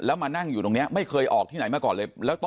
แล้วมานั่งอยู่ตรงนี้ไม่เคยออกที่ไหนมาก่อนเลย